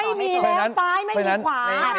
ไม่มีเดินซ้ายไม่มีขวา